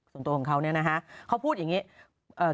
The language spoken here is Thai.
ส่วนตัวของเขาเนี่ยนะฮะเขาพูดอย่างงี้เอ่อ